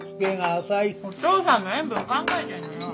お父さんの塩分考えてんのよ。